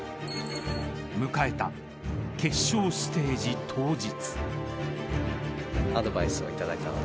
［迎えた決勝ステージ当日］